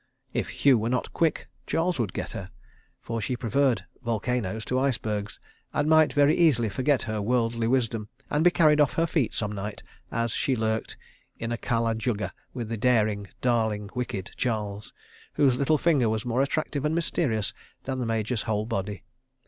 If Hugh were not quick, Charles would get her—for she preferred volcanoes to icebergs, and might very easily forget her worldly wisdom and be carried off her feet some night, as she lurked in a kala jugga with the daring, darling wicked Charles—whose little finger was more attractive and mysterious than the Major's whole body.